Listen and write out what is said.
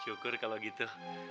syukur kalau gitu